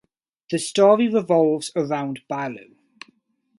The story revolves around Balu.